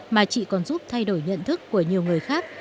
mà chị còn giúp thay đổi nhận thức của nhiều người khác